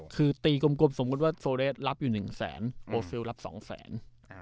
คือตีกลมสมมุติว่าโซเรสรับอยู่๑แสนโฟเซลรับ๒แสน